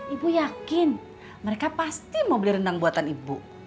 ibu yakin mereka pasti mau beli rendang buatan ibu